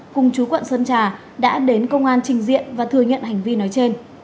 cùng chú quận sơn trà đã đến công an trình diện và thừa nhận hành vi nói trên